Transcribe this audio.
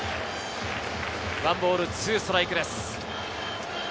１ボール２ストライクです。